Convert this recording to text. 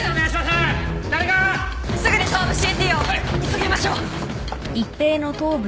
急ぎましょう。